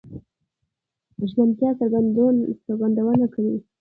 د ژمنتيا څرګندونه کوي؛